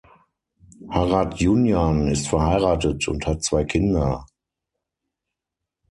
Harutjunjan ist verheiratet und hat zwei Kinder.